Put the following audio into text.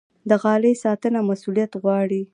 د غالۍ ساتنه مسوولیت غواړي.